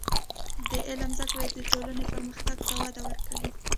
د علم زده کړه د ټولنې پرمختګ ته وده ورکوي.